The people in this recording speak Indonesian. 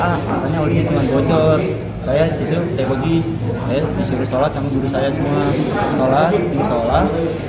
katanya oleh cuman bocor saya itu saya pergi disuruh sholat yang guru saya semua sholat sholat